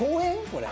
これ。